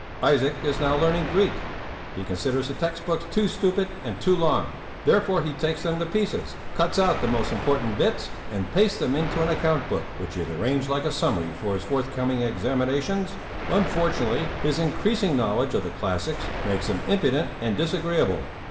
Isaac is now learning Greek. He considers the text books too stupid and too long; therefore he takes them to pieces, cuts out the most important bits and pastes them into an account book which he has arranged like a summary for his forthcoming examinations. Unfortunately, his increasing knowledge of the classics makes him impudent and disagreeable.